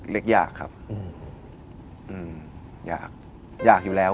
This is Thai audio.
เล็กยากครับอยากอยู่แล้ว